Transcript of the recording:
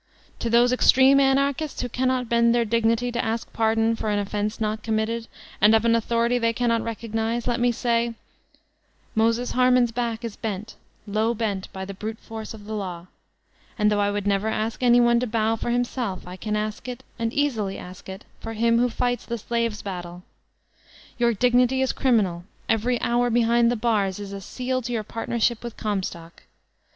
To those extreme Anarchists who cannot bend their dignity to ask pardon for an offense not committed^ and of an authority they cannot recognize, let me say: Moses Harman's back is bent, tow bent, by the brute force of the Law, and though I would never ask anyone to bow for himself, I can ask it, and easily ask it, for him who fights the slave's battle. Your dignity b criminal; every hour behind the bars is a seal to your partnership with Comstock.